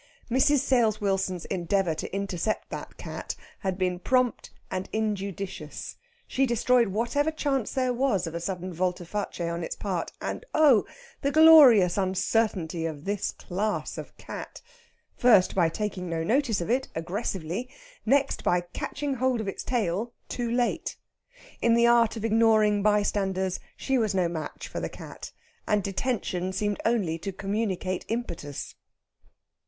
Mrs. Sales Wilson's endeavour to intercept that cat had been prompt and injudicious. She destroyed whatever chance there was of a sudden volte face on its part and oh, the glorious uncertainty of this class of cat! first by taking no notice of it aggressively, next by catching hold of its tail, too late. In the art of ignoring bystanders, she was no match for the cat. And detention seemed only to communicate impetus.